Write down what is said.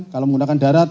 kalau menggunakan darat